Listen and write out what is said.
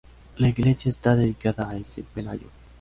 La Iglesia está dedicada a S. Pelayo.